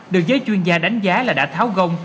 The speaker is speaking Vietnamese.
được giới chuyên gia đánh giá là đã tháo công